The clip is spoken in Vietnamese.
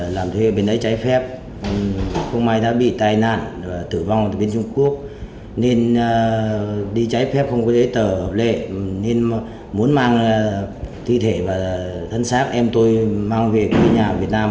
nên đi trái phép không có giấy tờ hợp lệ nên muốn mang thi thể và thân xác em tôi mang về quê nhà việt nam